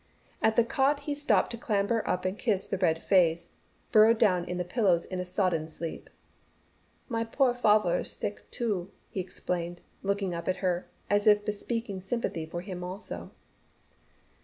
At the cot he stopped to clamber up and kiss the red face, burrowed down in the pillows in a sodden sleep. "My poor farvah's sick too," he explained looking up at her, as if bespeaking sympathy for him also.